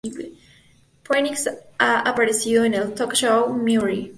Phoenix ha aparecido en el talk show "Maury".